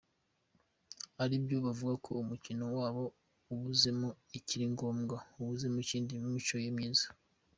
Aribyo kuvuga ko umukiro wabo ubuzemo ikiri ngombwa, ubuzemo Kindi n’imico ye myiza.